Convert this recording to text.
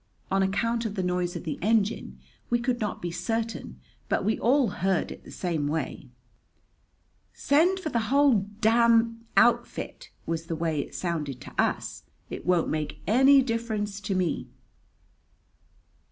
On account of the noise of the engine, we could not be certain, but we all heard it the same way. "Send for the whole d d outfit!" was the way it sounded to us. "It won't make any difference to me."